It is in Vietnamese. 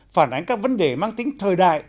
phản ánh các vấn đề mang tính thời đại